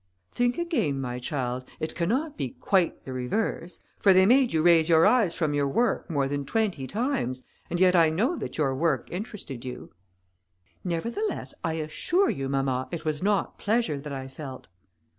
"Think again, my child; it cannot be quite the reverse; for they made you raise your eyes from your work more than twenty times, and yet I know that your work interested you." "Nevertheless, I assure you, mamma, it was not pleasure that I felt."